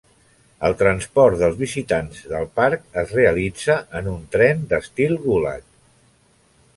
El transport dels visitants del parc es realitza en un tren d'estil Gulag.